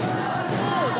そうだ！